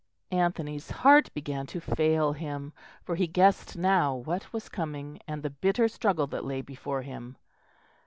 Anthony's heart began to fail him, for he guessed now what was coming and the bitter struggle that lay before him.